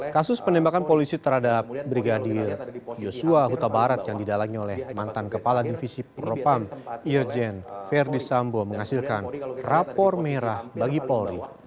kasus penembakan polisi terhadap brigadir yosua huta barat yang didalangi oleh mantan kepala divisi propam irjen verdi sambo menghasilkan rapor merah bagi polri